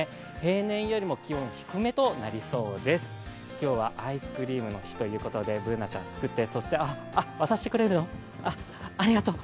今日はアイスクリームの日ということでＢｏｏｎａちゃん、作って、あっ渡してくれるの、ありがとう。